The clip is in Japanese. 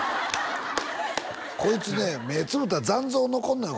こいつね目つぶったら残像残るのよ